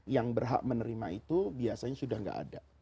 yang berhak menerima itu biasanya sudah tidak ada